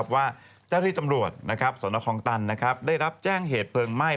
ว่าเจ้าที่ตำรวจสนคลองตันได้รับแจ้งเหตุเพลิงไหม้